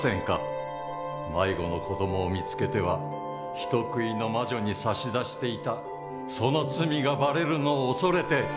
迷子の子どもを見つけては人食いの魔女に差し出していたその罪がばれるのを恐れて！